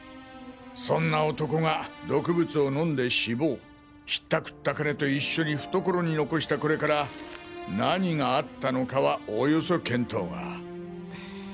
そんな男が毒物を飲んで死亡引ったくった金と一緒に懐に残したコレから何があったのかはおおよそ見当が。